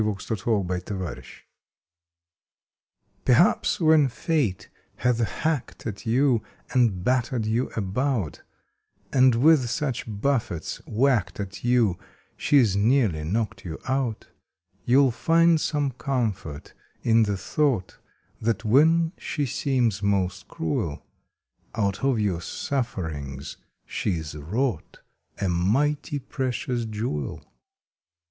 August Twenty eighth MOLDING pERHAPS when Fate hath hacked at you And battered you about, And with such buffets whacked at you She s nearly knocked you out, You ll find some comfort in the thought That when she seems most cruel Out of your sufferings she s wrought A mighty precious jewel!